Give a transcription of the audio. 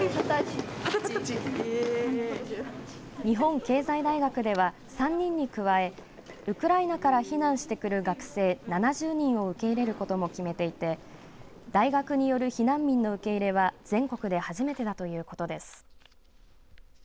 日本経済大学では３人に加えウクライナから避難してくる学生７０人を受け入れることも決めていて大学による避難民の受け入れは全国で初めてだということです。